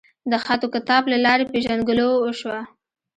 د خط وکتابت لۀ لارې پېژنګلو اوشوه